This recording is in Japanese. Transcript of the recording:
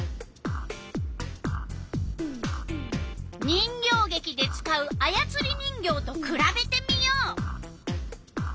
人形げきで使うあやつり人形とくらべてみよう。